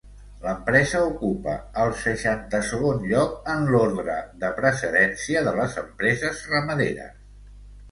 L'empresa ocupa el seixanta-segon lloc en l'ordre de precedència de les empreses ramaderes.